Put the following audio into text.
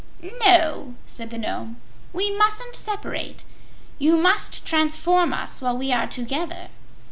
"No," said the Nome, "we mustn't separate. You must transform us while we are together."